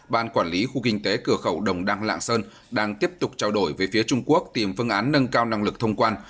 ban quản lý khu kinh tế cửa khẩu đồng đăng lạng sơn đang tiếp tục trao đổi với phía trung quốc tìm phương án nâng cao năng lực thông quan